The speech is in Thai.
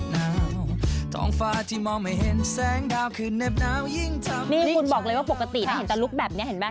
นี่คุณบอกเลยว่าปกตินะเห็นตัวลูกแบบนี้เห็นไหม